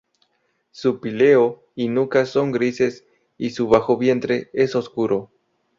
Su píleo y nuca son grises y su bajo vientre es oscuro.